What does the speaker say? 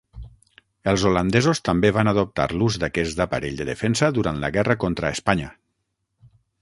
Els holandesos també van adoptar l'ús d'aquest aparell de defensa durant la guerra contra Espanya.